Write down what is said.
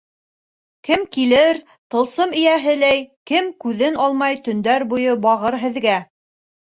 Кем килер, тылсым эйәһеләй, кем күҙен алмай төндәр буйы бағыр һеҙгә?